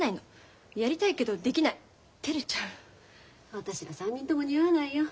私ら３人とも似合わないよ。